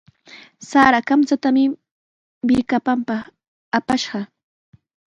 Sara kamchatami millkapanpaq apashqa.